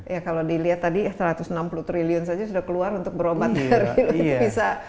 ya kalau dilihat tadi satu ratus enam puluh triliun saja sudah keluar untuk berobat dari televisi